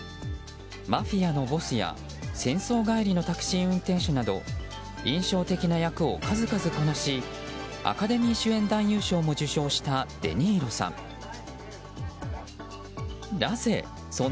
マフィアのボスや戦争帰りのタクシー運転手など印象的な役を数々こなしアカデミー主演男優賞も受賞したデニーロさん。